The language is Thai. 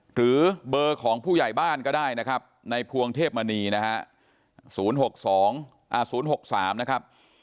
หรือเบอร์ของผู้ใหญ่บ้านก็ได้นะครับในพวงเทพมณีนะฮะ๐๖๒๐๖๓นะครับ